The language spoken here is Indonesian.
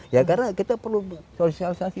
ya karena kita perlu sosialisasi